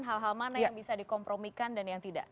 hal hal mana yang bisa dikompromikan dan yang tidak